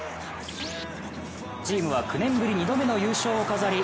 チームは９年ぶり２度目の優勝を飾り